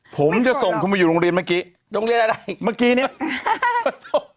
ผมจะส่งคุณมาอยู่โรงเรียนเมื่อกี้เมื่อกี้เนี่ยขอโทษ